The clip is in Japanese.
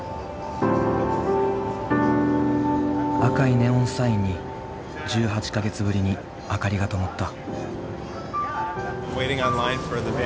赤いネオンサインに１８か月ぶりに明かりが灯った。